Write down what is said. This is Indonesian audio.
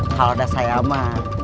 kalau ada sayama